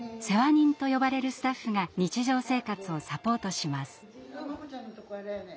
「世話人」と呼ばれるスタッフが日常生活をサポートします。